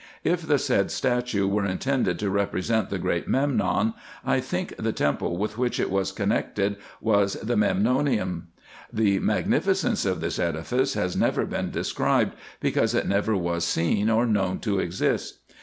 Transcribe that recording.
If the said statue were intended to represent the Great Memnon, I think the temple with which it was connected was the Memnonium. The magnificence of this edifice has never been described, because it never was seen or known to exist.